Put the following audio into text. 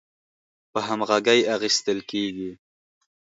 په همغږۍ اخیستل کیږي